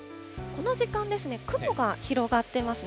この時間ですね、雲が広がってますね。